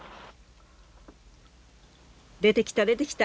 出てきた出てきた！